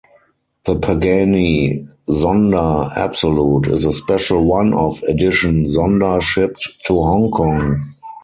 The Pagani Zonda Absolute is a special one-off edition Zonda shipped to Hong Kong.